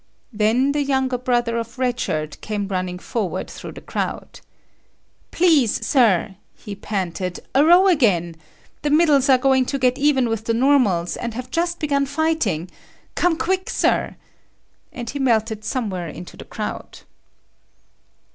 Then the younger brother of Red Shirt came running forward through the crowd. "Please, Sir," he panted, "a row again! The middles are going to get even with the normals and have just begun fighting. Come quick, Sir!" And he melted somewhere into the crowd.